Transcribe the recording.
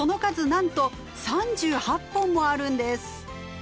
なんと３８本もあるんです！